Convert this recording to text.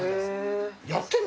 やってんの？